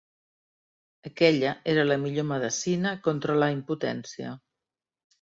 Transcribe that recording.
Aquella era la millor medecina contra la impotència.